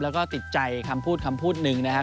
แล้วก็ติดใจคำพูดคำพูดหนึ่งนะครับ